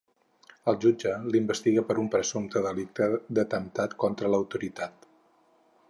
El jutge l’investiga per un presumpte delicte d’atemptat contra l’autoritat.